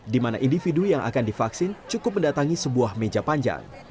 di mana individu yang akan divaksin cukup mendatangi sebuah meja panjang